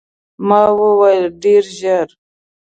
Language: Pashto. ما وویل، ډېر ژر.